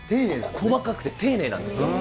細かくて丁寧なんですよ。